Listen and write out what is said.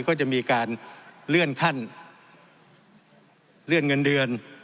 ก็จะมีการเลื่อนขั้นเลื่อนเงินเดือน